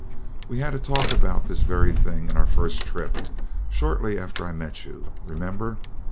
We had a talk about this very thing in our first trip, shortly after I met you. Remember?